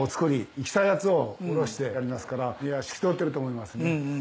生きたやつをおろしてやりますから身が透き通ってると思います。